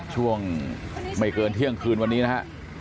ช่วงไม่เกินเที่ยงคืนวันนี้นะฮะ